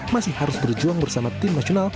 masih harus berjuang bersama tim nasional